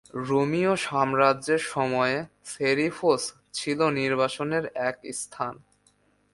রোমীয় সাম্রাজ্যের সময়ে, সেরিফোস ছিল নির্বাসনের এক স্থান।